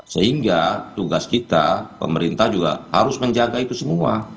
sehingga tugas kita pemerintah juga harus menjaga itu semua